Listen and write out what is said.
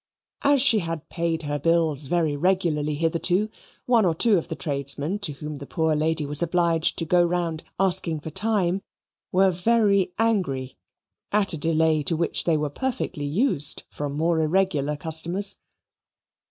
As she had paid her bills very regularly hitherto, one or two of the tradesmen to whom the poor lady was obliged to go round asking for time were very angry at a delay to which they were perfectly used from more irregular customers.